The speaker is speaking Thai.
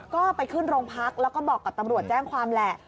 ก็ไปขึ้นโรงพักแล้วก็บอกกับตำรวจแจ้งความแหละ